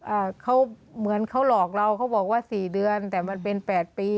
อ่าเขาเหมือนเขาหลอกเราเขาบอกว่าสี่เดือนแต่มันเป็นแปดปี